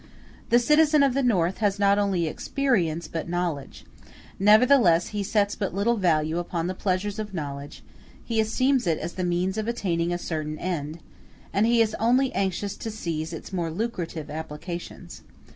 The citizen of the North has not only experience, but knowledge: nevertheless he sets but little value upon the pleasures of knowledge; he esteems it as the means of attaining a certain end, and he is only anxious to seize its more lucrative applications.